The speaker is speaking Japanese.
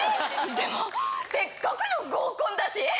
でもせっかくの合コンだし。